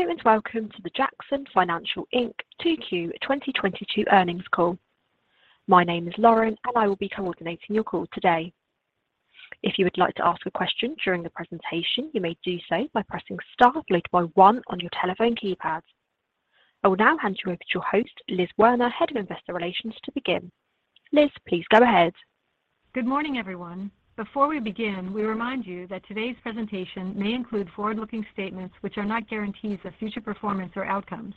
Hello, and welcome to the Jackson Financial Inc. 2Q 2022 earnings call. My name is Lauren, and I will be coordinating your call today. If you would like to ask a question during the presentation, you may do so by pressing star followed by one on your telephone keypad. I will now hand you over to your host, Liz Werner, Head of Investor Relations, to begin. Liz, please go ahead. Good morning, everyone. Before we begin, we remind you that today's presentation may include forward-looking statements which are not guarantees of future performance or outcomes.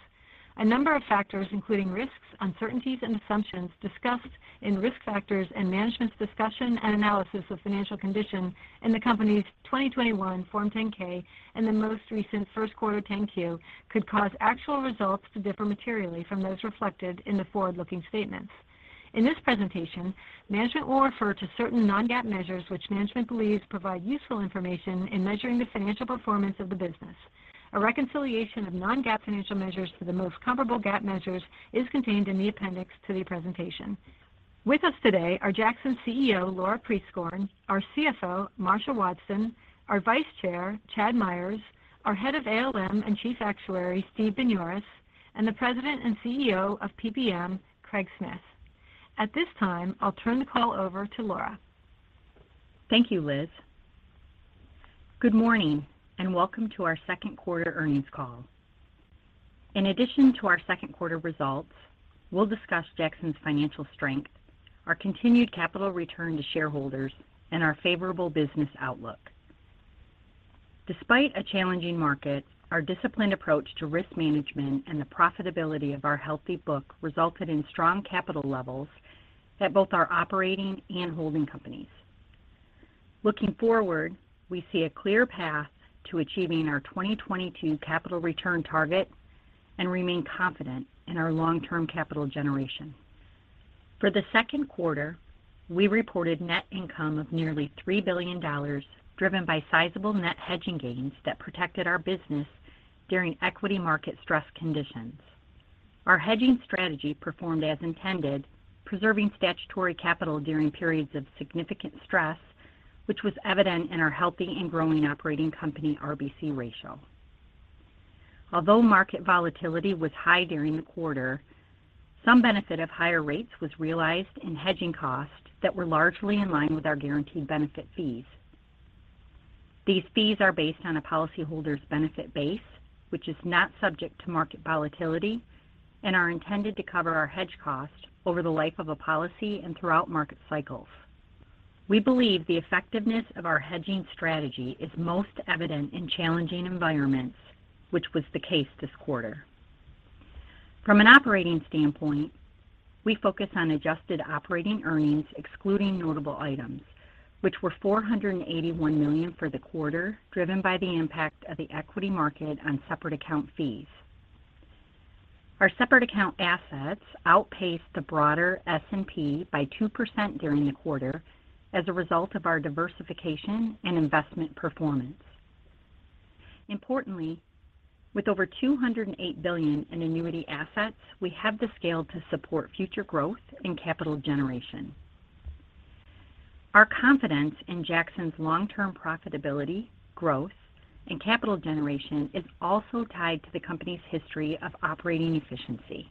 A number of factors, including risks, uncertainties, and assumptions discussed in Risk Factors and Management's Discussion and Analysis of Financial Condition in the company's 2021 Form 10-K and the most recent first quarter 10-Q could cause actual results to differ materially from those reflected in the forward-looking statements. In this presentation, management will refer to certain non-GAAP measures which management believes provide useful information in measuring the financial performance of the business. A reconciliation of non-GAAP financial measures to the most comparable GAAP measures is contained in the appendix to the presentation. With us today are Jackson's CEO, Laura Prieskorn, our CFO, Marcia Wadsten, our Vice Chair, Chad Myers, our Head of ALM and Chief Actuary, Steve Binioris, and the President and CEO of PPM, Craig Smith. At this time, I'll turn the call over to Laura. Thank you, Liz. Good morning, and welcome to our second quarter earnings call. In addition to our second quarter results, we'll discuss Jackson's financial strength, our continued capital return to shareholders, and our favorable business outlook. Despite a challenging market, our disciplined approach to risk management and the profitability of our healthy book resulted in strong capital levels at both our operating and holding companies. Looking forward, we see a clear path to achieving our 2022 capital return target and remain confident in our long-term capital generation. For the second quarter, we reported net income of nearly $3 billion, driven by sizable net hedging gains that protected our business during equity market stress conditions. Our hedging strategy performed as intended, preserving statutory capital during periods of significant stress, which was evident in our healthy and growing operating company RBC ratio. Although market volatility was high during the quarter, some benefit of higher rates was realized in hedging costs that were largely in line with our guaranteed benefit fees. These fees are based on a policyholder's benefit base, which is not subject to market volatility and are intended to cover our hedge cost over the life of a policy and throughout market cycles. We believe the effectiveness of our hedging strategy is most evident in challenging environments, which was the case this quarter. From an operating standpoint, we focus on adjusted operating earnings excluding notable items, which were $481 million for the quarter, driven by the impact of the equity market on separate account fees. Our separate account assets outpaced the broader S&P by 2% during the quarter as a result of our diversification and investment performance. Importantly, with over $208 billion in annuity assets, we have the scale to support future growth and capital generation. Our confidence in Jackson's long-term profitability, growth, and capital generation is also tied to the company's history of operating efficiency.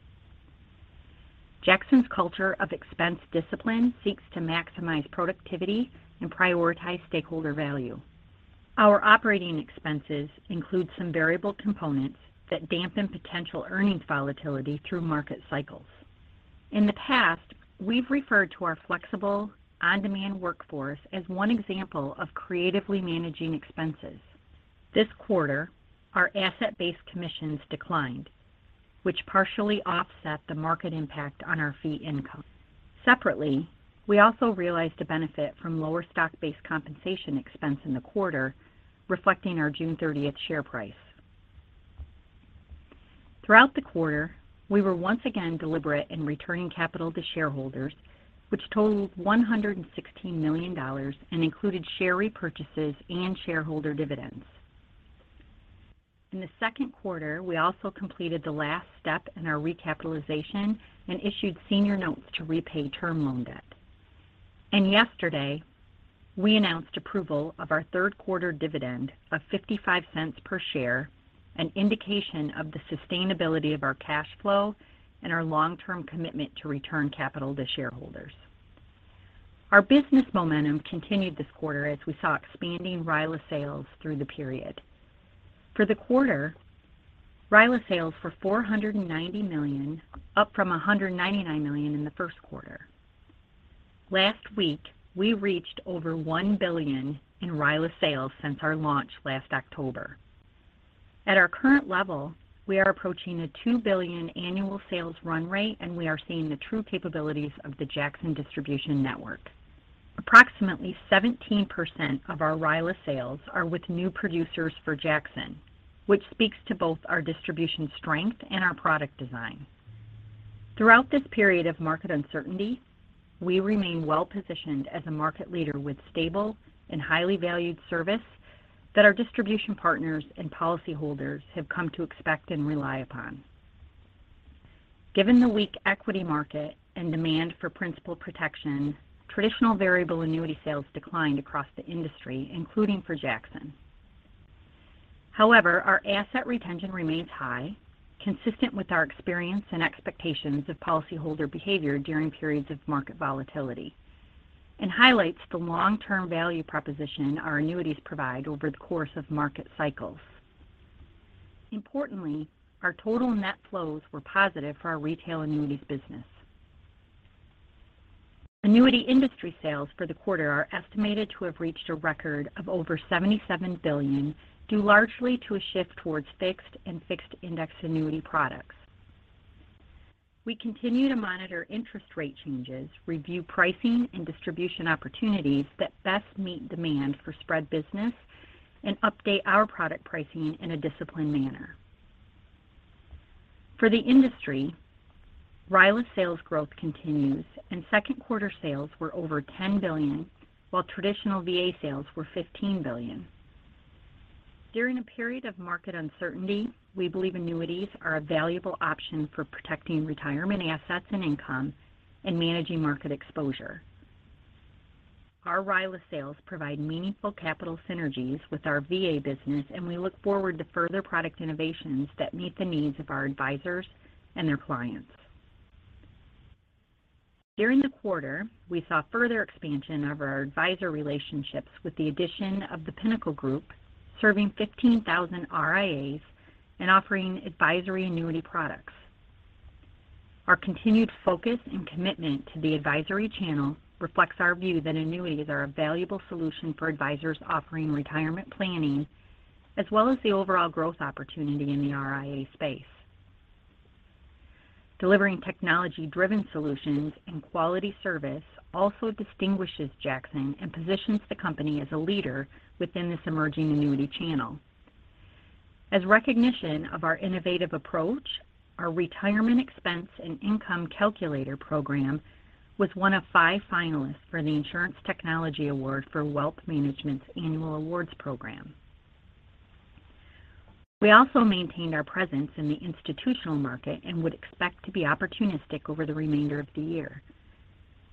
Jackson's culture of expense discipline seeks to maximize productivity and prioritize stakeholder value. Our operating expenses include some variable components that dampen potential earnings volatility through market cycles. In the past, we've referred to our flexible on-demand workforce as one example of creatively managing expenses. This quarter, our asset-based commissions declined, which partially offset the market impact on our fee income. Separately, we also realized a benefit from lower stock-based compensation expense in the quarter, reflecting our June 30th share price. Throughout the quarter, we were once again deliberate in returning capital to shareholders, which totaled $116 million and included share repurchases and shareholder dividends. In the second quarter, we also completed the last step in our recapitalization and issued senior notes to repay term loan debt. Yesterday, we announced approval of our third quarter dividend of $0.55 per share, an indication of the sustainability of our cash flow and our long-term commitment to return capital to shareholders. Our business momentum continued this quarter as we saw expanding RILA sales through the period. For the quarter, RILA sales were $490 million, up from $199 million in the first quarter. Last week, we reached over $1 billion in RILA sales since our launch last October. At our current level, we are approaching a $2 billion annual sales run rate, and we are seeing the true capabilities of the Jackson distribution network. Approximately 17% of our RILA sales are with new producers for Jackson, which speaks to both our distribution strength and our product design. Throughout this period of market uncertainty, we remain well-positioned as a market leader with stable and highly valued service that our distribution partners and policyholders have come to expect and rely upon. Given the weak equity market and demand for principal protection, traditional variable annuity sales declined across the industry, including for Jackson. However, our asset retention remains high, consistent with our experience and expectations of policyholder behavior during periods of market volatility, and highlights the long-term value proposition our annuities provide over the course of market cycles. Importantly, our total net flows were positive for our retail annuities business. Annuity industry sales for the quarter are estimated to have reached a record of over $77 billion, due largely to a shift towards fixed and fixed indexed annuity products. We continue to monitor interest rate changes, review pricing and distribution opportunities that best meet demand for spread business, and update our product pricing in a disciplined manner. For the industry, RILA sales growth continues and second quarter sales were over $10 billion, while traditional VA sales were $15 billion. During a period of market uncertainty, we believe annuities are a valuable option for protecting retirement assets and income and managing market exposure. Our RILA sales provide meaningful capital synergies with our VA business, and we look forward to further product innovations that meet the needs of our advisors and their clients. During the quarter, we saw further expansion of our advisor relationships with the addition of The Pinnacle Group serving 15,000 RIAs and offering advisory annuity products. Our continued focus and commitment to the advisory channel reflects our view that annuities are a valuable solution for advisors offering retirement planning as well as the overall growth opportunity in the RIA space. Delivering technology-driven solutions and quality service also distinguishes Jackson and positions the company as a leader within this emerging annuity channel. As recognition of our innovative approach, our Retirement Expense and Income Calculator program was one of five finalists for the Insurance Technology Award for Wealth Management Annual Awards program. We also maintained our presence in the institutional market and would expect to be opportunistic over the remainder of the year.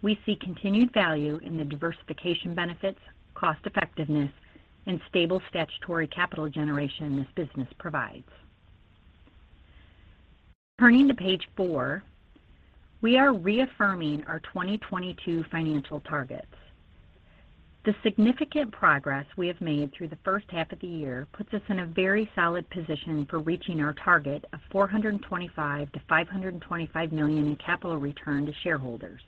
We see continued value in the diversification benefits, cost effectiveness and stable statutory capital generation this business provides. Turning to page four, we are reaffirming our 2022 financial targets. The significant progress we have made through the first half of the year puts us in a very solid position for reaching our target of $425 million-$525 million in capital return to shareholders.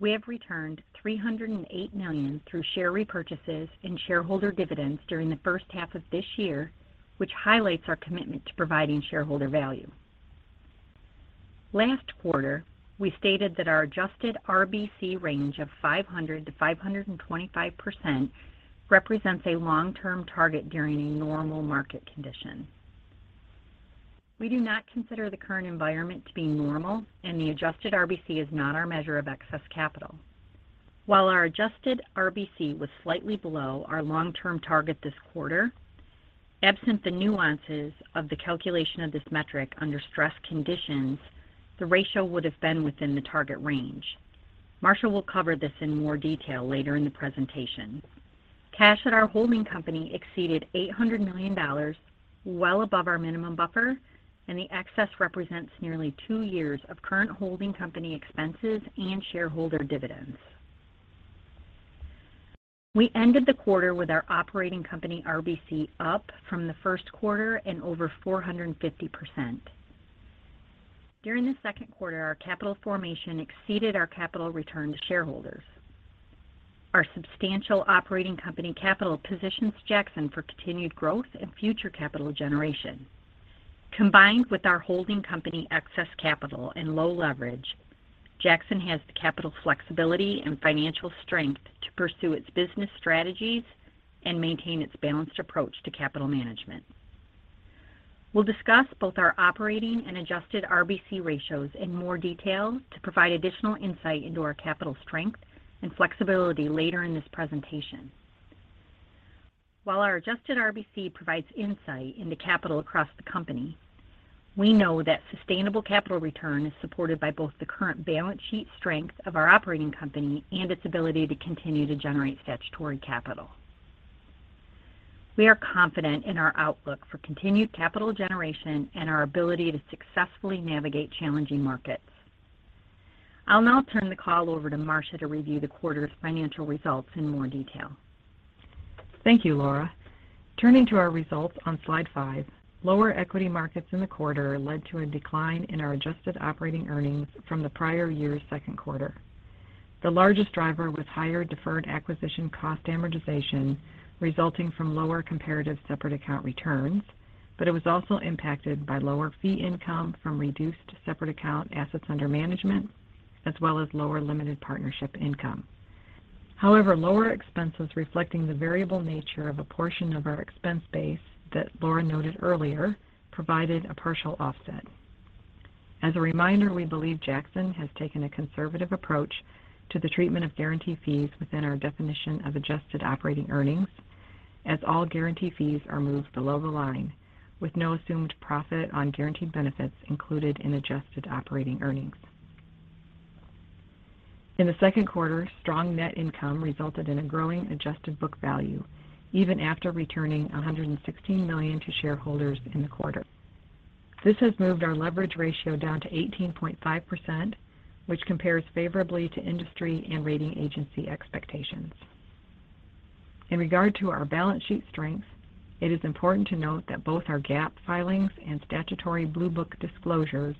We have returned $308 million through share repurchases and shareholder dividends during the first half of this year, which highlights our commitment to providing shareholder value. Last quarter, we stated that our adjusted RBC range of 500%-525% represents a long-term target during a normal market condition. We do not consider the current environment to be normal, and the adjusted RBC is not our measure of excess capital. While our adjusted RBC was slightly below our long-term target this quarter, absent the nuances of the calculation of this metric under stress conditions, the ratio would have been within the target range. Marcia will cover this in more detail later in the presentation. Cash at our holding company exceeded $800 million, well above our minimum buffer, and the excess represents nearly two years of current holding company expenses and shareholder dividends. We ended the quarter with our operating company RBC up from the first quarter and over 450%. During the second quarter, our capital formation exceeded our capital return to shareholders. Our substantial operating company capital positions Jackson for continued growth and future capital generation. Combined with our holding company excess capital and low leverage, Jackson has the capital flexibility and financial strength to pursue its business strategies and maintain its balanced approach to capital management. We'll discuss both our operating and adjusted RBC ratios in more detail to provide additional insight into our capital strength and flexibility later in this presentation. While our adjusted RBC provides insight into capital across the company, we know that sustainable capital return is supported by both the current balance sheet strength of our operating company and its ability to continue to generate statutory capital. We are confident in our outlook for continued capital generation and our ability to successfully navigate challenging markets. I'll now turn the call over to Marcia to review the quarter's financial results in more detail. Thank you, Laura. Turning to our results on slide five, lower equity markets in the quarter led to a decline in our adjusted operating earnings from the prior year's second quarter. The largest driver was higher deferred acquisition cost amortization resulting from lower comparative separate account returns. It was also impacted by lower fee income from reduced separate account assets under management, as well as lower limited partnership income. However, lower expenses reflecting the variable nature of a portion of our expense base that Laura noted earlier, provided a partial offset. As a reminder, we believe Jackson has taken a conservative approach to the treatment of guarantee fees within our definition of adjusted operating earnings. As all guarantee fees are moved below the line, with no assumed profit on guaranteed benefits included in adjusted operating earnings. In the second quarter, strong net income resulted in a growing adjusted book value even after returning $116 million to shareholders in the quarter. This has moved our leverage ratio down to 18.5%, which compares favorably to industry and rating agency expectations. In regard to our balance sheet strength, it is important to note that both our GAAP filings and statutory blue book disclosures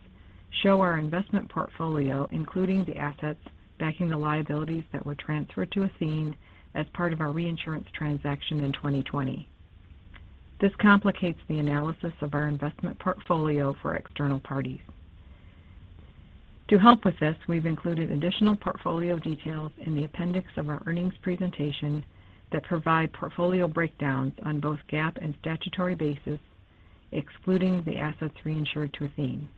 show our investment portfolio, including the assets backing the liabilities that were transferred to Athene as part of our reinsurance transaction in 2020. This complicates the analysis of our investment portfolio for external parties. To help with this, we've included additional portfolio details in the appendix of our earnings presentation that provide portfolio breakdowns on both GAAP and statutory basis, excluding the assets reinsured to Athene.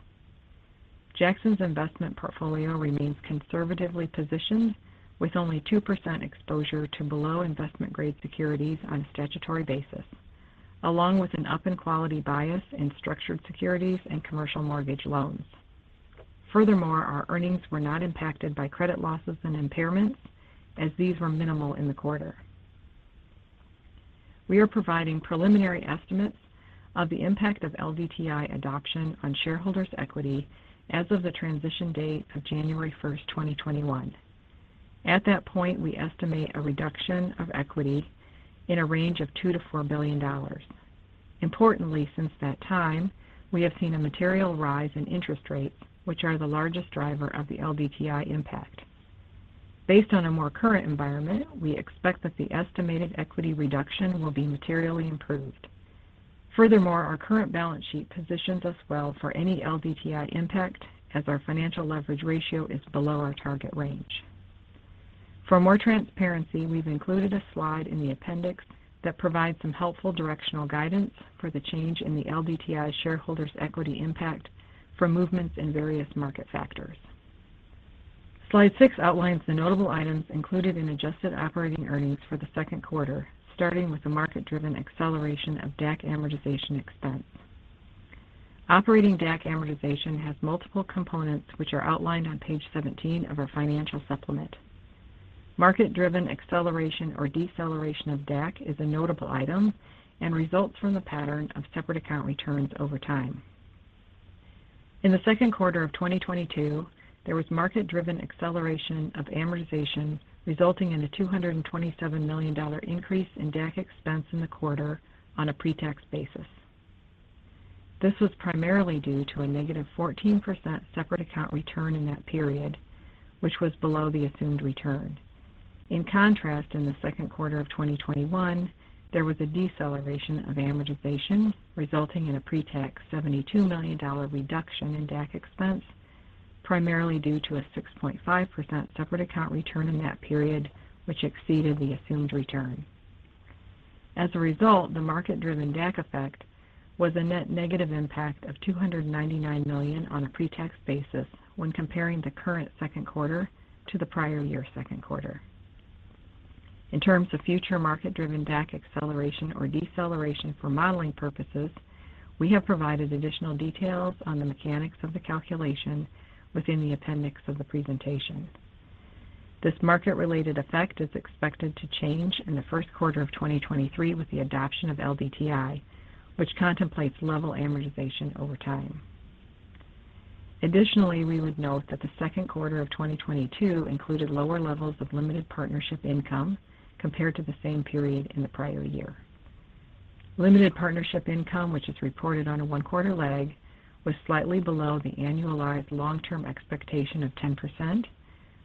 Jackson's investment portfolio remains conservatively positioned with only 2% exposure to below investment grade securities on a statutory basis, along with an up and quality bias in structured securities and commercial mortgage loans. Furthermore, our earnings were not impacted by credit losses and impairments as these were minimal in the quarter. We are providing preliminary estimates of the impact of LDTI adoption on shareholders' equity as of the transition date of January 1st, 2021. At that point, we estimate a reduction of equity in a range of $2 billion-$4 billion. Importantly, since that time, we have seen a material rise in interest rates, which are the largest driver of the LDTI impact. Based on a more current environment, we expect that the estimated equity reduction will be materially improved. Furthermore, our current balance sheet positions us well for any LDTI impact as our financial leverage ratio is below our target range. For more transparency, we've included a slide in the appendix that provides some helpful directional guidance for the change in the LDTI shareholders' equity impact for movements in various market factors. Slide six outlines the notable items included in adjusted operating earnings for the second quarter, starting with a market-driven acceleration of DAC amortization expense. Operating DAC amortization has multiple components which are outlined on page 17 of our financial supplement. Market-driven acceleration or deceleration of DAC is a notable item and results from the pattern of separate account returns over time. In the second quarter of 2022, there was market-driven acceleration of amortization resulting in a $227 million increase in DAC expense in the quarter on a pre-tax basis. This was primarily due to a -14% separate account return in that period, which was below the assumed return. In contrast, in the second quarter of 2021, there was a deceleration of amortization resulting in a pre-tax $72 million reduction in DAC expense, primarily due to a 6.5% separate account return in that period, which exceeded the assumed return. As a result, the market-driven DAC effect was a net negative impact of $299 million on a pre-tax basis when comparing the current second quarter to the prior year second quarter. In terms of future market-driven DAC acceleration or deceleration for modeling purposes, we have provided additional details on the mechanics of the calculation within the appendix of the presentation. This market-related effect is expected to change in the first quarter of 2023 with the adoption of LDTI, which contemplates level amortization over time. Additionally, we would note that the second quarter of 2022 included lower levels of limited partnership income compared to the same period in the prior year. Limited partnership income, which is reported on a one-quarter lag, was slightly below the annualized long-term expectation of 10%,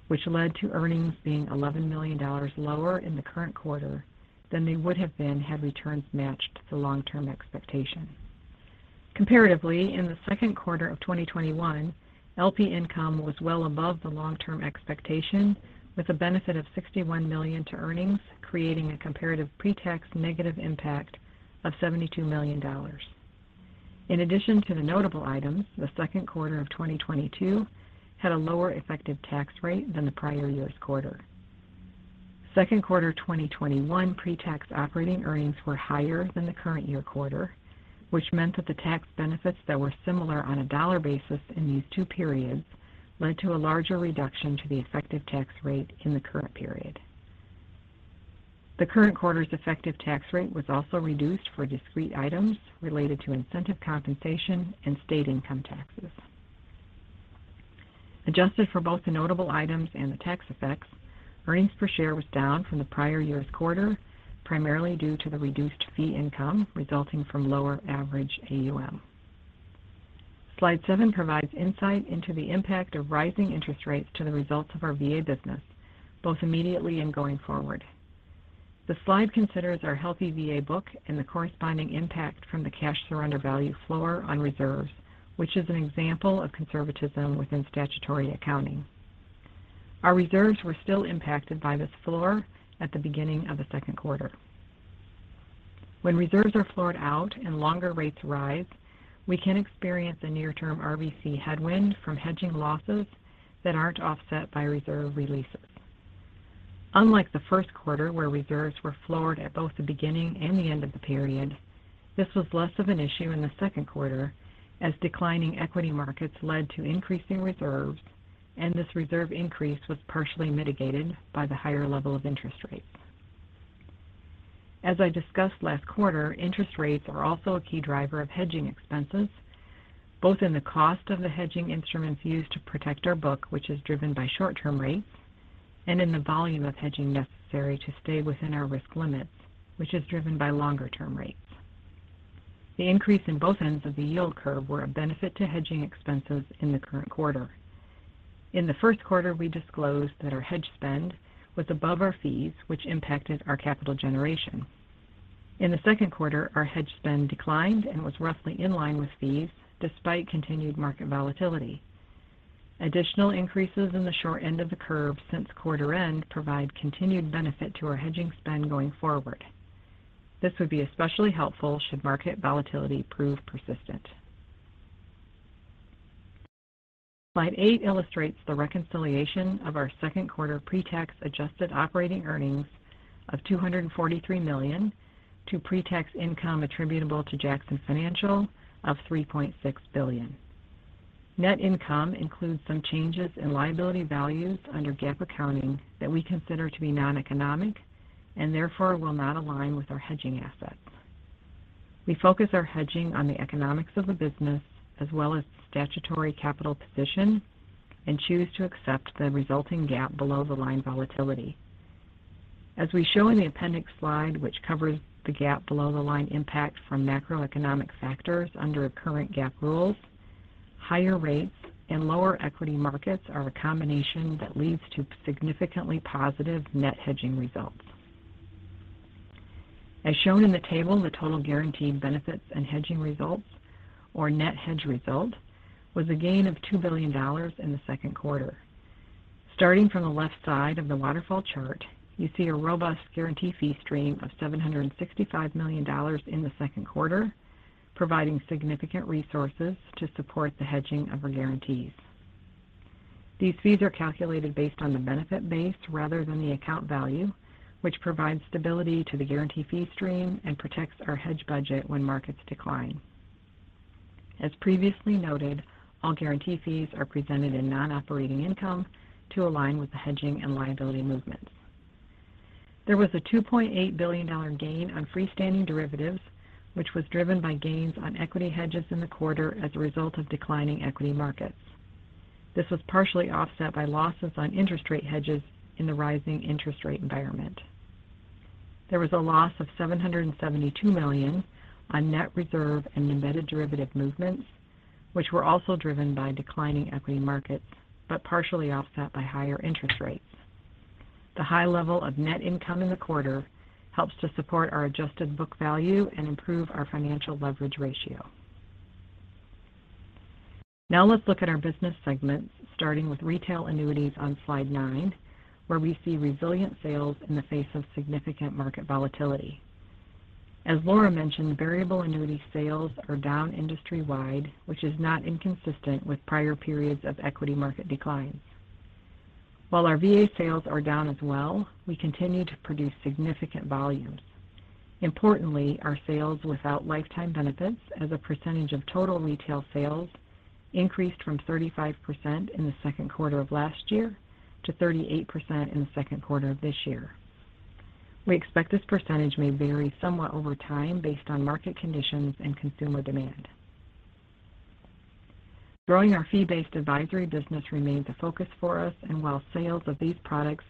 which led to earnings being $11 million lower in the current quarter than they would have been had returns matched the long-term expectation. Comparatively, in the second quarter of 2021, LP income was well above the long-term expectation with a benefit of $61 million to earnings, creating a comparative pre-tax negative impact of $72 million. In addition to the notable items, the second quarter of 2022 had a lower effective tax rate than the prior year's quarter. Second quarter 2021 pre-tax operating earnings were higher than the current year quarter, which meant that the tax benefits that were similar on a dollar basis in these two periods led to a larger reduction to the effective tax rate in the current period. The current quarter's effective tax rate was also reduced for discrete items related to incentive compensation and state income taxes. Adjusted for both the notable items and the tax effects, earnings per share was down from the prior year's quarter, primarily due to the reduced fee income resulting from lower average AUM. Slide seven provides insight into the impact of rising interest rates to the results of our VA business, both immediately and going forward. The slide considers our healthy VA book and the corresponding impact from the cash surrender value floor on reserves, which is an example of conservatism within statutory accounting. Our reserves were still impacted by this floor at the beginning of the second quarter. When reserves are floored out and longer rates rise, we can experience a near-term RBC headwind from hedging losses that aren't offset by reserve releases. Unlike the first quarter, where reserves were floored at both the beginning and the end of the period, this was less of an issue in the second quarter as declining equity markets led to increasing reserves, and this reserve increase was partially mitigated by the higher level of interest rates. As I discussed last quarter, interest rates are also a key driver of hedging expenses, both in the cost of the hedging instruments used to protect our book, which is driven by short-term rates, and in the volume of hedging necessary to stay within our risk limits, which is driven by longer-term rates. The increase in both ends of the yield curve were a benefit to hedging expenses in the current quarter. In the first quarter, we disclosed that our hedge spend was above our fees, which impacted our capital generation. In the second quarter, our hedge spend declined and was roughly in line with fees despite continued market volatility. Additional increases in the short end of the curve since quarter end provide continued benefit to our hedging spend going forward. This would be especially helpful should market volatility prove persistent. Slide eight illustrates the reconciliation of our second quarter pre-tax adjusted operating earnings of $243 million to pre-tax income attributable to Jackson Financial of $3.6 billion. Net income includes some changes in liability values under GAAP accounting that we consider to be non-economic and therefore will not align with our hedging assets. We focus our hedging on the economics of the business as well as statutory capital position and choose to accept the resulting GAAP below the line volatility. As we show in the appendix slide, which covers the GAAP below the line impact from macroeconomic factors under current GAAP rules, higher rates and lower equity markets are a combination that leads to significantly positive net hedging results. As shown in the table, the total guaranteed benefits and hedging results or net hedge result was a gain of $2 billion in the second quarter. Starting from the left side of the waterfall chart, you see a robust guarantee fee stream of $765 million in the second quarter, providing significant resources to support the hedging of our guarantees. These fees are calculated based on the benefit base rather than the account value, which provides stability to the guarantee fee stream and protects our hedge budget when markets decline. As previously noted, all guarantee fees are presented in non-operating income to align with the hedging and liability movements. There was a $2.8 billion gain on freestanding derivatives, which was driven by gains on equity hedges in the quarter as a result of declining equity markets. This was partially offset by losses on interest rate hedges in the rising interest rate environment. There was a loss of $772 million on net reserve and embedded derivative movements, which were also driven by declining equity markets, but partially offset by higher interest rates. The high level of net income in the quarter helps to support our adjusted book value and improve our financial leverage ratio. Now let's look at our business segments, starting with Retail Annuities on slide nine, where we see resilient sales in the face of significant market volatility. As Laura mentioned, variable annuity sales are down industry-wide, which is not inconsistent with prior periods of equity market declines. While our VA sales are down as well, we continue to produce significant volumes. Importantly, our sales without lifetime benefits as a percentage of total retail sales increased from 35% in the second quarter of last year to 38% in the second quarter of this year. We expect this percentage may vary somewhat over time based on market conditions and consumer demand. Growing our fee-based advisory business remains a focus for us, and while sales of these products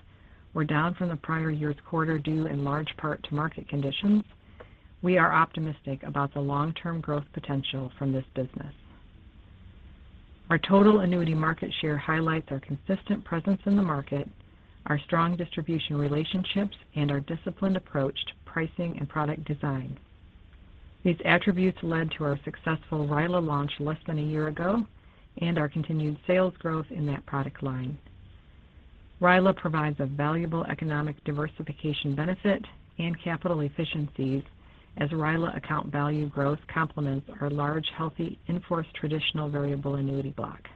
were down from the prior year's quarter due in large part to market conditions, we are optimistic about the long-term growth potential from this business. Our total annuity market share highlights our consistent presence in the market, our strong distribution relationships, and our disciplined approach to pricing and product design. These attributes led to our successful RILA launch less than a year ago and our continued sales growth in that product line. RILA provides a valuable economic diversification benefit and capital efficiencies as RILA account value growth complements our large, healthy in-force traditional variable annuity block.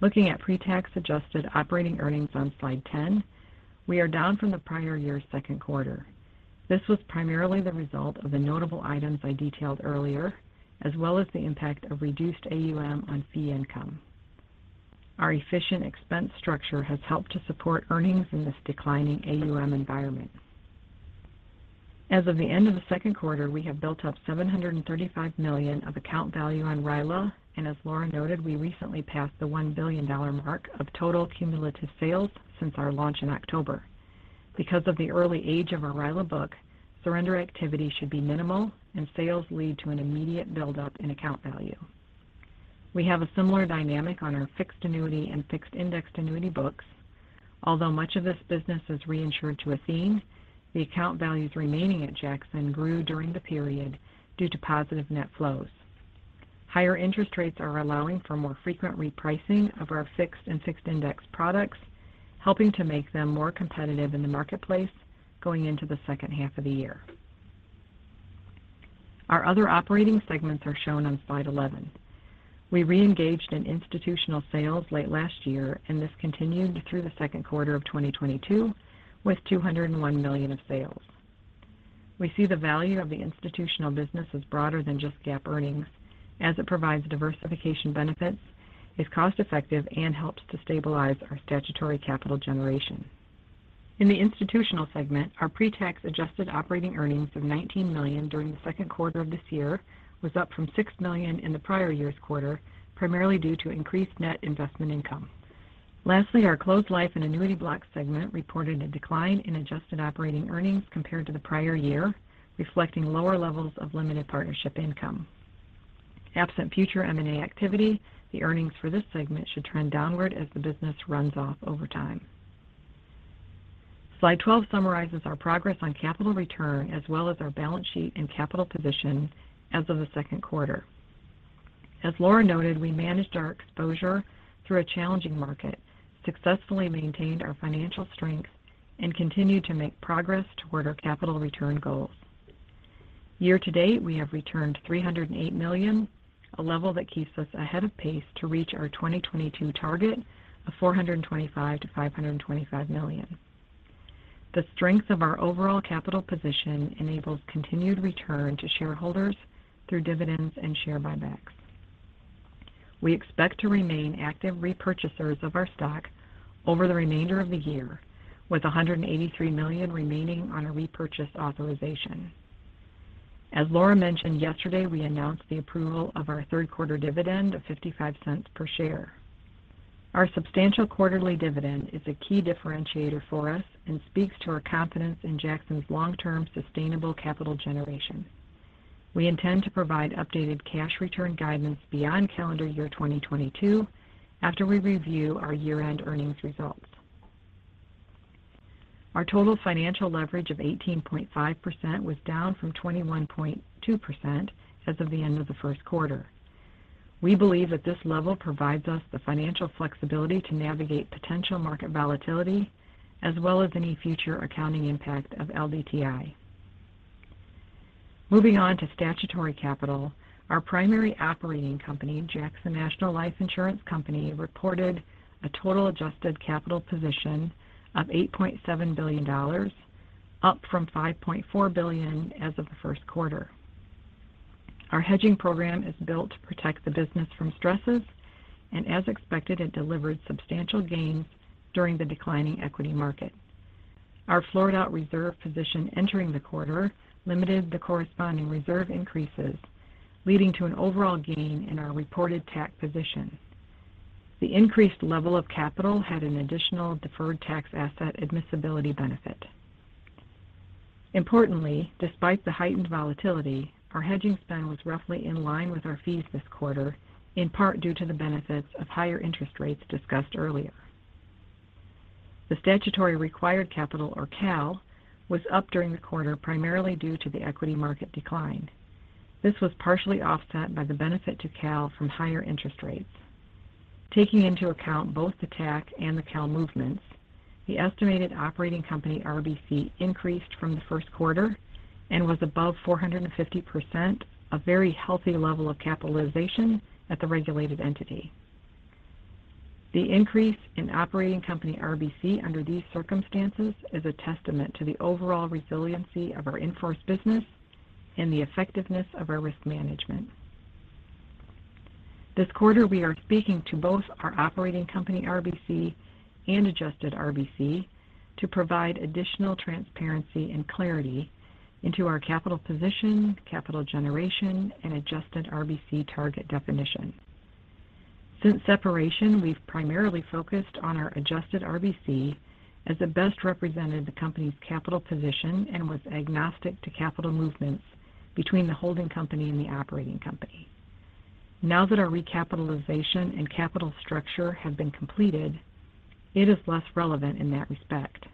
Looking at pre-tax adjusted operating earnings on slide 10, we are down from the prior year's second quarter. This was primarily the result of the notable items I detailed earlier, as well as the impact of reduced AUM on fee income. Our efficient expense structure has helped to support earnings in this declining AUM environment. As of the end of the second quarter, we have built up $735 million of account value on RILA, and as Laura noted, we recently passed the $1 billion mark of total cumulative sales since our launch in October. Because of the early age of our RILA book, surrender activity should be minimal, and sales lead to an immediate buildup in account value. We have a similar dynamic on our fixed annuity and fixed indexed annuity books. Although much of this business is reinsured to Athene, the account values remaining at Jackson grew during the period due to positive net flows. Higher interest rates are allowing for more frequent repricing of our fixed and fixed index products, helping to make them more competitive in the marketplace going into the second half of the year. Our other operating segments are shown on slide 11. We re-engaged in institutional sales late last year, and this continued through the second quarter of 2022 with $201 million of sales. We see the value of the institutional business as broader than just GAAP earnings as it provides diversification benefits, is cost-effective, and helps to stabilize our statutory capital generation. In the institutional segment, our pre-tax adjusted operating earnings of $19 million during the second quarter of this year was up from $6 million in the prior year's quarter, primarily due to increased net investment income. Lastly, our Closed Life and Annuity Block segment reported a decline in adjusted operating earnings compared to the prior year, reflecting lower levels of limited partnership income. Absent future M&A activity, the earnings for this segment should trend downward as the business runs off over time. Slide 12 summarizes our progress on capital return as well as our balance sheet and capital position as of the second quarter. As Laura noted, we managed our exposure through a challenging market, successfully maintained our financial strength, and continued to make progress toward our capital return goals. Year-to-date, we have returned $308 million, a level that keeps us ahead of pace to reach our 2022 target of $425 million-$525 million. The strength of our overall capital position enables continued return to shareholders through dividends and share buybacks. We expect to remain active repurchasers of our stock over the remainder of the year with $183 million remaining on our repurchase authorization. As Laura mentioned yesterday, we announced the approval of our third quarter dividend of $0.55 per share. Our substantial quarterly dividend is a key differentiator for us and speaks to our confidence in Jackson's long-term sustainable capital generation. We intend to provide updated cash return guidance beyond calendar year 2022 after we review our year-end earnings results. Our total financial leverage of 18.5% was down from 21.2% as of the end of the first quarter. We believe that this level provides us the financial flexibility to navigate potential market volatility as well as any future accounting impact of LDTI. Moving on to statutory capital, our primary operating company, Jackson National Life Insurance Company, reported a total adjusted capital position of $8.7 billion, up from $5.4 billion as of the first quarter. Our hedging program is built to protect the business from stresses, and as expected, it delivered substantial gains during the declining equity market. Our floored out reserve position entering the quarter limited the corresponding reserve increases, leading to an overall gain in our reported TAC position. The increased level of capital had an additional deferred tax asset admissibility benefit. Importantly, despite the heightened volatility, our hedging spend was roughly in line with our fees this quarter, in part due to the benefits of higher interest rates discussed earlier. The statutory required capital, or CAL, was up during the quarter primarily due to the equity market decline. This was partially offset by the benefit to CAL from higher interest rates. Taking into account both the TAC and the CAL movements, the estimated operating company RBC increased from the first quarter and was above 450%, a very healthy level of capitalization at the regulated entity. The increase in operating company RBC under these circumstances is a testament to the overall resiliency of our in-force business and the effectiveness of our risk management. This quarter, we are speaking to both our operating company RBC and adjusted RBC to provide additional transparency and clarity into our capital position, capital generation, and adjusted RBC target definition. Since separation, we've primarily focused on our adjusted RBC as it best represented the company's capital position and was agnostic to capital movements between the holding company and the operating company. Now that our recapitalization and capital structure have been completed, it is less relevant in that respect.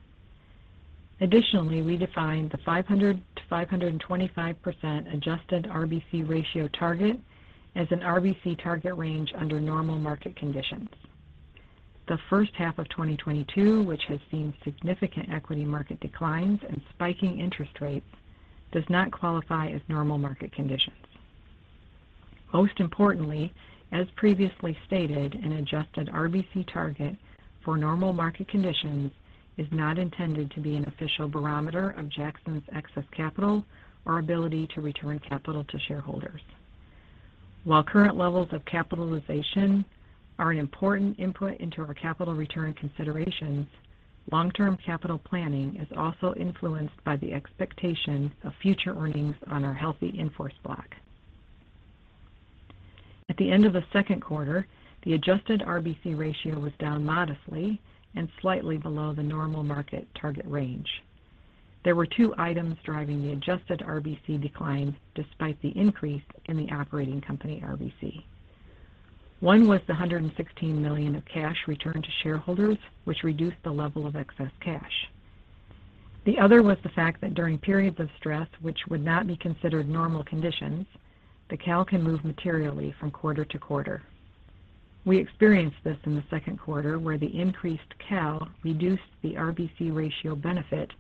Additionally, we define the 500%-525% adjusted RBC ratio target as an RBC target range under normal market conditions. The first half of 2022, which has seen significant equity market declines and spiking interest rates, does not qualify as normal market conditions. Most importantly, as previously stated, an adjusted RBC target for normal market conditions is not intended to be an official barometer of Jackson's excess capital or ability to return capital to shareholders. While current levels of capitalization are an important input into our capital return considerations, long-term capital planning is also influenced by the expectation of future earnings on our healthy in-force block. At the end of the second quarter, the adjusted RBC ratio was down modestly and slightly below the normal market target range. There were two items driving the adjusted RBC decline despite the increase in the operating company RBC. One was the $116 million of cash returned to shareholders, which reduced the level of excess cash. The other was the fact that during periods of stress, which would not be considered normal conditions, the CAL can move materially from quarter to quarter. We experienced this in the second quarter, where the increased CAL reduced the RBC ratio benefit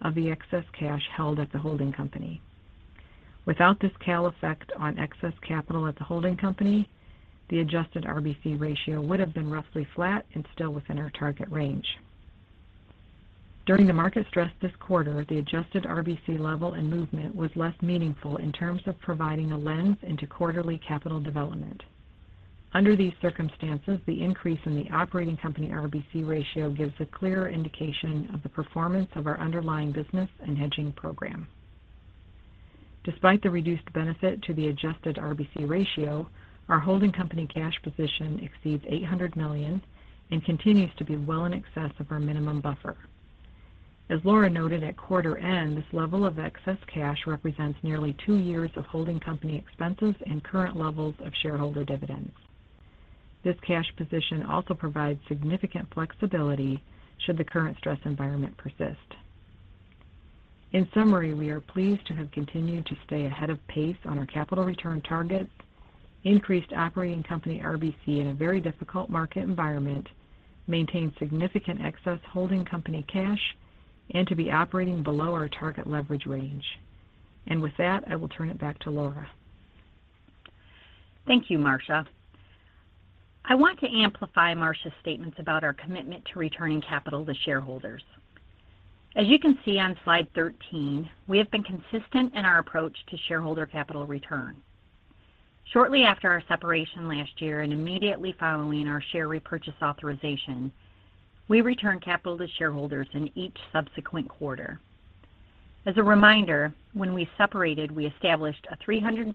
of the excess cash held at the holding company. Without this CAL effect on excess capital at the holding company, the adjusted RBC ratio would have been roughly flat and still within our target range. During the market stress this quarter, the adjusted RBC level and movement was less meaningful in terms of providing a lens into quarterly capital development. Under these circumstances, the increase in the operating company RBC ratio gives a clearer indication of the performance of our underlying business and hedging program. Despite the reduced benefit to the adjusted RBC ratio, our holding company cash position exceeds $800 million and continues to be well in excess of our minimum buffer. As Laura noted at quarter end, this level of excess cash represents nearly two years of holding company expenses and current levels of shareholder dividends. This cash position also provides significant flexibility should the current stress environment persist. In summary, we are pleased to have continued to stay ahead of pace on our capital return targets, increased operating company RBC in a very difficult market environment, maintain significant excess holding company cash, and to be operating below our target leverage range. With that, I will turn it back to Laura. Thank you, Marcia. I want to amplify Marcia's statements about our commitment to returning capital to shareholders. As you can see on slide 13, we have been consistent in our approach to shareholder capital return. Shortly after our separation last year and immediately following our share repurchase authorization, we returned capital to shareholders in each subsequent quarter. As a reminder, when we separated, we established a $325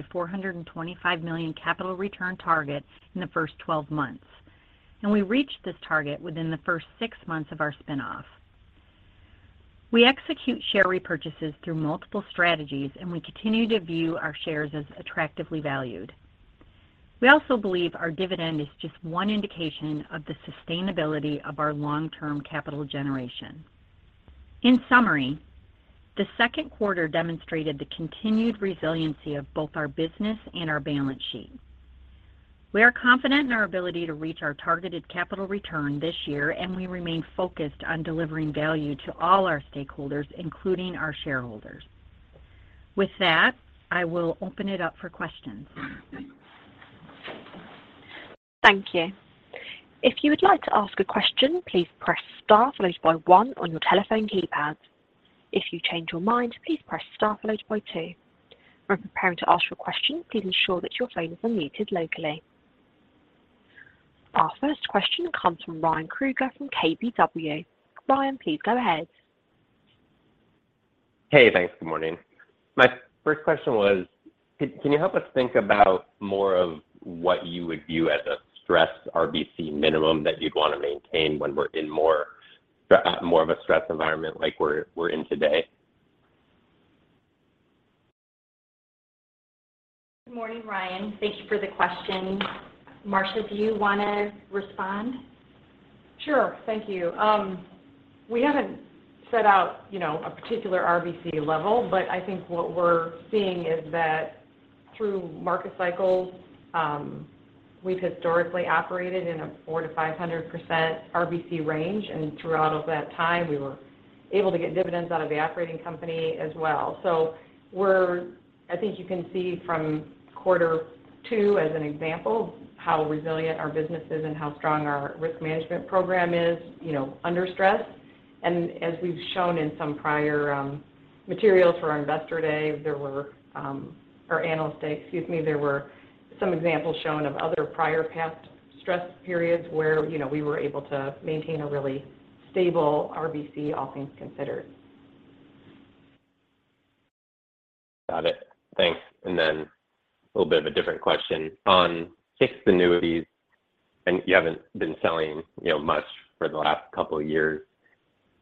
million-$425 million capital return target in the first 12 months, and we reached this target within the first six months of our spin-off. We execute share repurchases through multiple strategies, and we continue to view our shares as attractively valued. We also believe our dividend is just one indication of the sustainability of our long-term capital generation. In summary, the second quarter demonstrated the continued resiliency of both our business and our balance sheet. We are confident in our ability to reach our targeted capital return this year, and we remain focused on delivering value to all our stakeholders, including our shareholders. With that, I will open it up for questions. Thank you. If you would like to ask a question, please press star followed by one on your telephone keypad. If you change your mind, please press star followed by two. When preparing to ask your question, please ensure that your phone is unmuted locally. Our first question comes from Ryan Krueger from KBW. Ryan, please go ahead. Hey, thanks. Good morning. My first question was, can you help us think about more of what you would view as a stress RBC minimum that you'd want to maintain when we're in more of a stress environment like we're in today? Good morning, Ryan. Thank you for the question. Marcia, do you wanna respond? Sure. Thank you. We haven't set out, you know, a particular RBC level, but I think what we're seeing is that through market cycles, we've historically operated in a 400%-500% RBC range, and throughout all of that time, we were able to get dividends out of the operating company as well. I think you can see from quarter two as an example how resilient our business is and how strong our risk management program is, you know, under stress. As we've shown in some prior materials for our investor day, there were or analyst day, excuse me, there were some examples shown of other prior past stress periods where, you know, we were able to maintain a really stable RBC, all things considered. Got it. Thanks. A little bit of a different question. On fixed annuities, and you haven't been selling, you know, much for the last couple of years.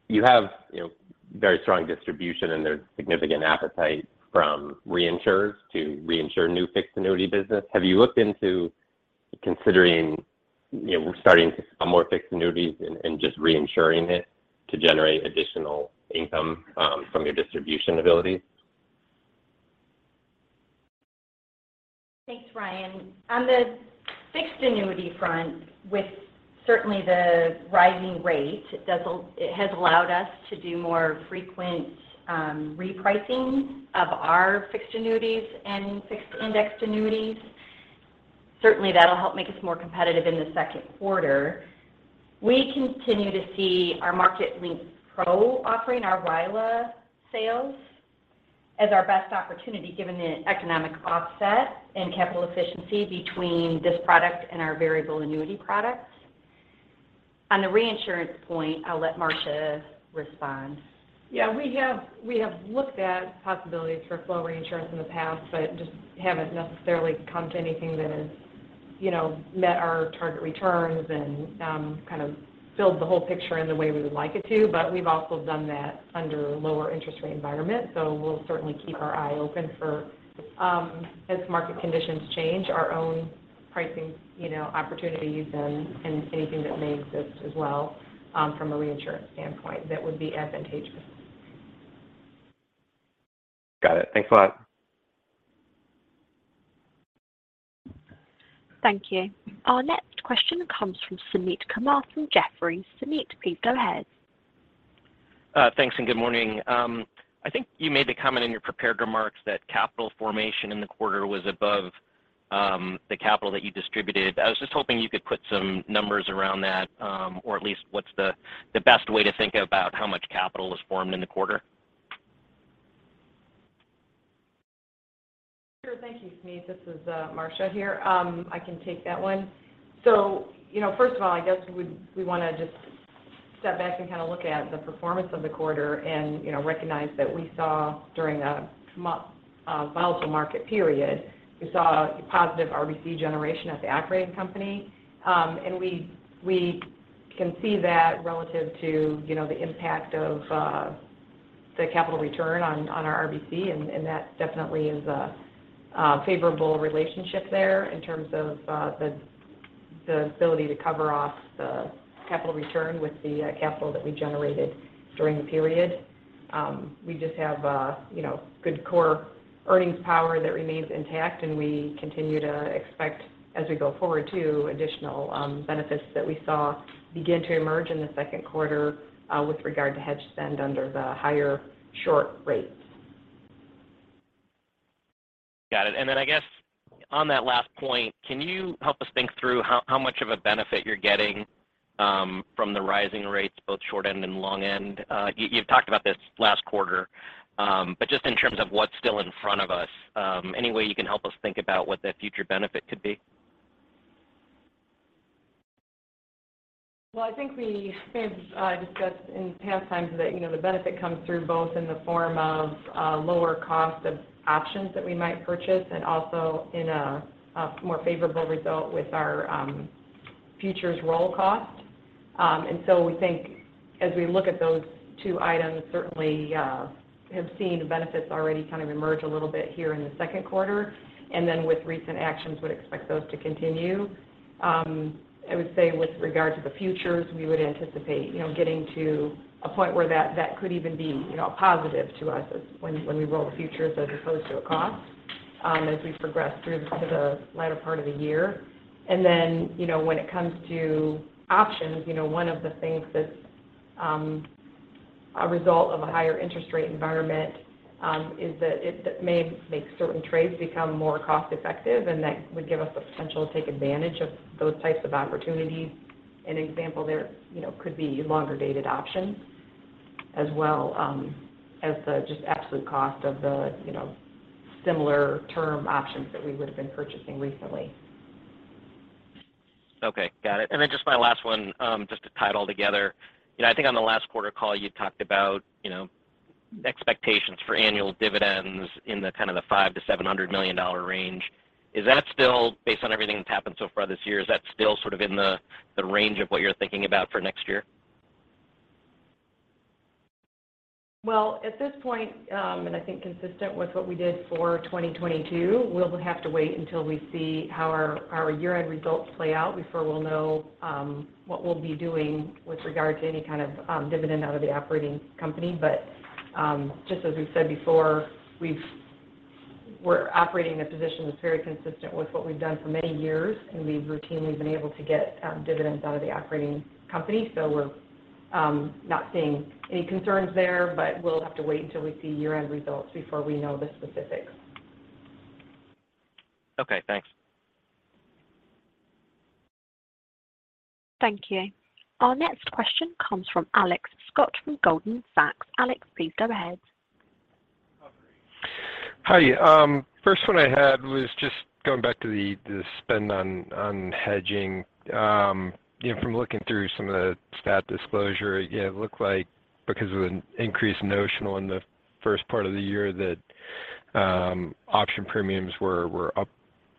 You have, you know, very strong distribution, and there's significant appetite from reinsurers to reinsure new fixed annuity business. Have you looked into considering, you know, starting to sell more fixed annuities and just reinsuring it to generate additional income from your distribution abilities? Thanks, Ryan. On the fixed annuity front, with certainly the rising rate, it has allowed us to do more frequent repricing of our fixed annuities and fixed indexed annuities. Certainly, that'll help make us more competitive in the second quarter. We continue to see our Market Link Pro offering, our RILA sales, as our best opportunity, given the economic offset and capital efficiency between this product and our Variable Annuity products. On the reinsurance point, I'll let Marcia respond. Yeah, we have looked at possibilities for flow reinsurance in the past, but just haven't necessarily come to anything that has, you know, met our target returns and kind of filled the whole picture in the way we would like it to. We've also done that under lower interest rate environment. We'll certainly keep our eye open for as market conditions change, our own Pricing, you know, opportunities and anything that may exist as well, from a reinsurance standpoint that would be advantageous. Got it. Thanks a lot. Thank you. Our next question comes from Suneet Kamath from Jefferies. Suneet, please go ahead. Thanks, and good morning. I think you made the comment in your prepared remarks that capital formation in the quarter was above the capital that you distributed. I was just hoping you could put some numbers around that, or at least what's the best way to think about how much capital was formed in the quarter? Sure. Thank you, Suneet. This is Marcia here. I can take that one. You know, first of all, I guess we wanna just step back and kind of look at the performance of the quarter and, you know, recognize that we saw during a volatile market period, we saw a positive RBC generation at the operating company. We can see that relative to, you know, the impact of the capital return on our RBC, and that definitely is a favorable relationship there in terms of the ability to cover off the capital return with the capital that we generated during the period. We just have, you know, good core earnings power that remains intact, and we continue to expect as we go forward to additional benefits that we saw begin to emerge in the second quarter, with regard to hedge spend under the higher short rates. Got it. I guess on that last point, can you help us think through how much of a benefit you're getting from the rising rates, both short end and long end? You've talked about this last quarter. Just in terms of what's still in front of us, any way you can help us think about what the future benefit could be? Well, I think we may have discussed in past times that, you know, the benefit comes through both in the form of lower cost of options that we might purchase and also in a more favorable result with our futures roll cost. We think as we look at those two items, certainly have seen benefits already kind of emerge a little bit here in the second quarter. With recent actions, would expect those to continue. I would say with regard to the futures, we would anticipate, you know, getting to a point where that could even be, you know, a positive to us as when we roll futures as opposed to a cost, as we progress through to the latter part of the year. You know, when it comes to options, you know, one of the things that's a result of a higher interest rate environment is that it may make certain trades become more cost-effective, and that would give us the potential to take advantage of those types of opportunities. An example there, you know, could be longer-dated options as well as the just absolute cost of the, you know, similar term options that we would've been purchasing recently. Okay. Got it. Just my last one, just to tie it all together. You know, I think on the last quarter call you talked about, you know, expectations for annual dividends in the $500 million-$700 million range. Is that still based on everything that's happened so far this year, is that still sort of in the range of what you're thinking about for next year? Well, at this point, I think consistent with what we did for 2022, we'll have to wait until we see how our year-end results play out before we'll know what we'll be doing with regard to any kind of dividend out of the operating company. Just as we've said before, we're operating in a position that's very consistent with what we've done for many years, and we've routinely been able to get dividends out of the operating company. We're not seeing any concerns there, but we'll have to wait until we see year-end results before we know the specifics. Okay, thanks. Thank you. Our next question comes from Alex Scott from Goldman Sachs. Alex, please go ahead. Hi. First one I had was just going back to the spend on hedging. You know, from looking through some of the stat disclosure, yeah, it looked like because of an increased notional in the first part of the year that option premiums were up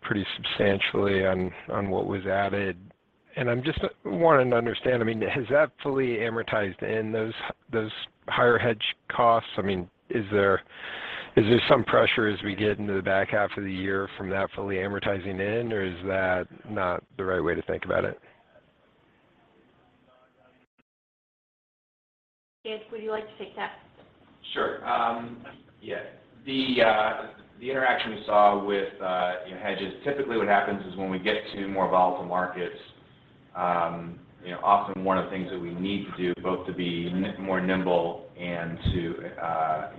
pretty substantially on what was added. I'm just wanting to understand, I mean, has that fully amortized in those higher hedge costs? I mean, is there some pressure as we get into the back half of the year from that fully amortizing in, or is that not the right way to think about it? Steve, would you like to take that? Sure. Yeah. The interaction we saw with you know hedges, typically what happens is when we get to more volatile markets, you know, often one of the things that we need to do both to be more nimble and to you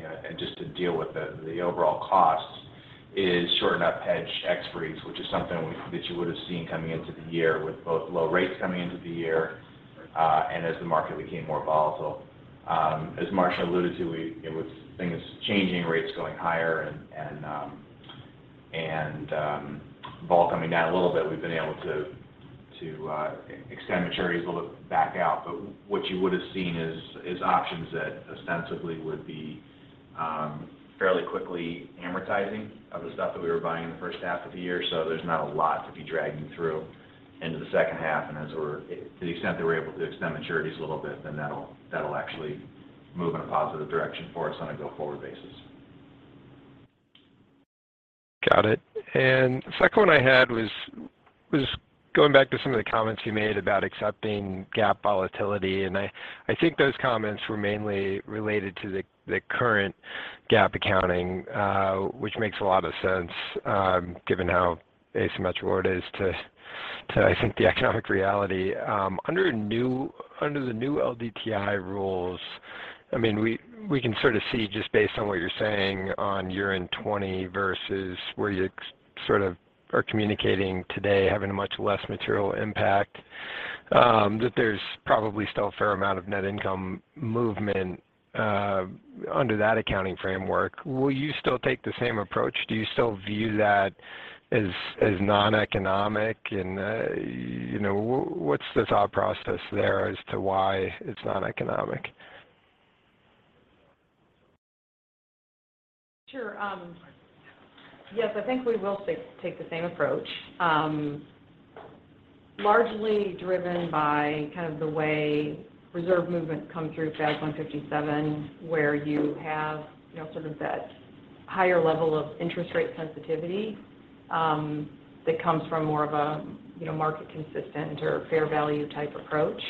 know and just to deal with the overall costs is shorten up hedge expiries, which is something that you would've seen coming into the year with both low rates coming into the year and as the market became more volatile. As Marcia alluded to, it was things changing, rates going higher and vol coming down a little bit. We've been able to extend maturities a little back out. What you would've seen is options that ostensibly would be fairly quickly amortizing of the stuff that we were buying in the first half of the year. There's not a lot to be dragging through into the second half. To the extent that we're able to extend maturities a little bit, then that'll actually move in a positive direction for us on a go-forward basis. Got it. Second one I had was going back to some of the comments you made about accepting GAAP volatility. I think those comments were mainly related to the current GAAP accounting, which makes a lot of sense, given how asymmetrical it is to I think the economic reality. Under the new LDTI rules, I mean, we can sort of see just based on what you're saying on year-end 2020 versus where you sort of are communicating today, having a much less material impact, that there's probably still a fair amount of net income movement under that accounting framework. Will you still take the same approach? Do you still view that as non-economic? You know, what's the thought process there as to why it's non-economic? Sure. Yes, I think we will take the same approach, largely driven by kind of the way reserve movements come through FAS 157, where you have, you know, sort of that higher level of interest rate sensitivity, that comes from more of a, you know, market consistent or fair value type approach.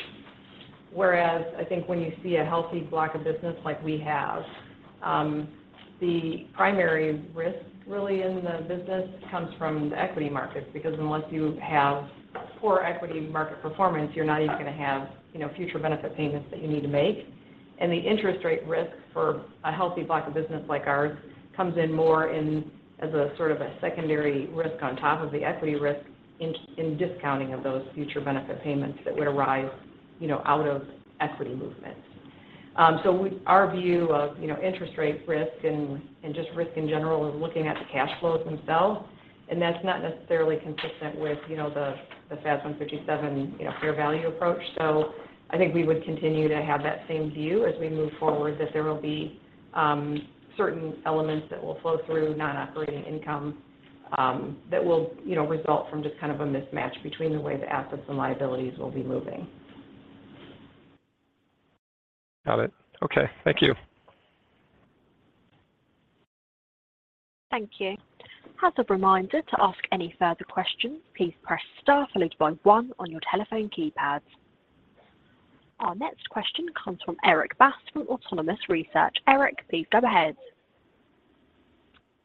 Whereas I think when you see a healthy block of business like we have, the primary risk really in the business comes from the equity markets, because unless you have poor equity market performance, you're not even gonna have, you know, future benefit payments that you need to make. The interest rate risk for a healthy block of business like ours comes in more in as a sort of a secondary risk on top of the equity risk in discounting of those future benefit payments that would arise out of equity movements. Our view of interest rate risk and just risk in general is looking at the cash flows themselves, and that's not necessarily consistent with the FAS 157 fair value approach. I think we would continue to have that same view as we move forward, that there will be certain elements that will flow through non-operating income that will result from just kind of a mismatch between the way the assets and liabilities will be moving. Got it. Okay. Thank you. Thank you. As a reminder to ask any further questions, please press star followed by one on your telephone keypad. Our next question comes from Erik Bass from Autonomous Research. Erik, please go ahead.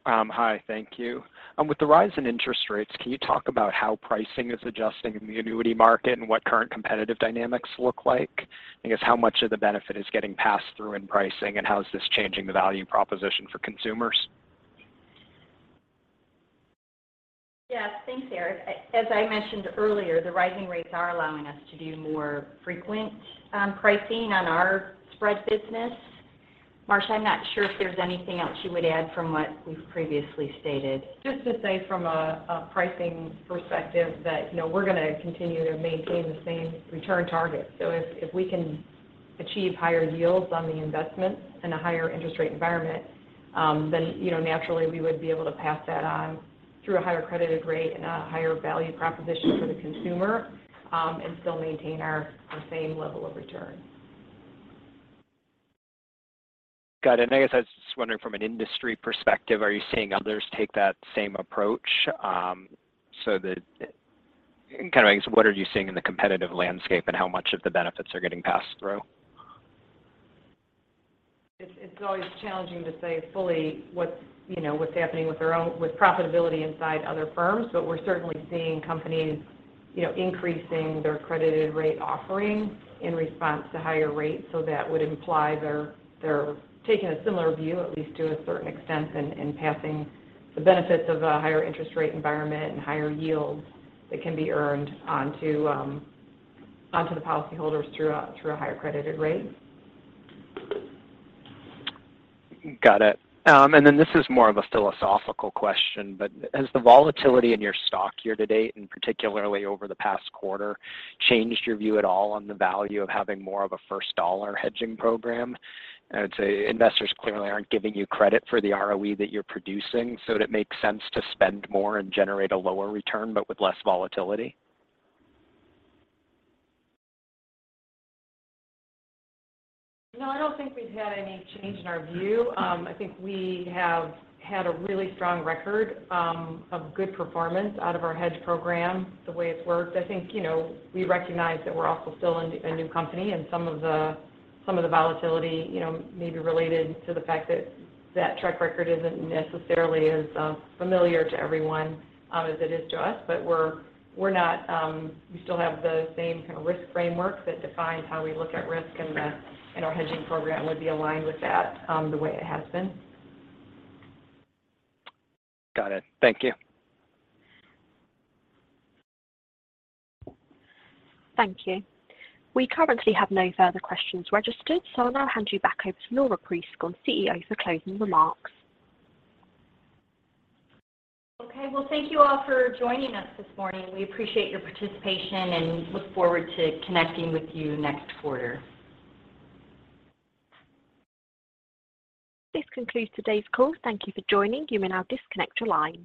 Hi. Thank you. With the rise in interest rates, can you talk about how pricing is adjusting in the annuity market and what current competitive dynamics look like? I guess how much of the benefit is getting passed through in pricing, and how is this changing the value proposition for consumers? Yes. Thanks, Eric. As I mentioned earlier, the rising rates are allowing us to do more frequent pricing on our spread business. Marcia, I'm not sure if there's anything else you would add from what we've previously stated. Just to say from a pricing perspective that, you know, we're gonna continue to maintain the same return target. If we can achieve higher yields on the investments in a higher interest rate environment, then, you know, naturally we would be able to pass that on through a higher credited rate and a higher value proposition for the consumer, and still maintain the same level of return. Got it. I guess I was just wondering from an industry perspective, are you seeing others take that same approach? Kind of, I guess what are you seeing in the competitive landscape and how much of the benefits are getting passed through? It's always challenging to say fully what's, you know, what's happening with profitability inside other firms, but we're certainly seeing companies, you know, increasing their credited rate offering in response to higher rates. That would imply they're taking a similar view at least to a certain extent in passing the benefits of a higher interest rate environment and higher yields that can be earned onto the policy holders through a higher credited rate. Got it. This is more of a philosophical question, but has the volatility in your stock year-to-date, and particularly over the past quarter, changed your view at all on the value of having more of a first dollar hedging program? I would say investors clearly aren't giving you credit for the ROE that you're producing, so would it make sense to spend more and generate a lower return, but with less volatility? No, I don't think we've had any change in our view. I think we have had a really strong record of good performance out of our hedge program, the way it's worked. I think, you know, we recognize that we're also still a new company and some of the volatility, you know, may be related to the fact that track record isn't necessarily as familiar to everyone as it is to us. We're not, we still have the same kind of risk framework that defines how we look at risk, and our hedging program would be aligned with that, the way it has been. Got it. Thank you. Thank you. We currently have no further questions registered, so I'll now hand you back over to Laura Prieskorn, CEO, for closing remarks. Okay. Well, thank you all for joining us this morning. We appreciate your participation and look forward to connecting with you next quarter. This concludes today's call. Thank you for joining. You may now disconnect your lines.